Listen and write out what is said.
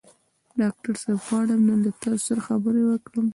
ډاکټر صاحب غواړم نن له تاسو سره خبرې وکړم.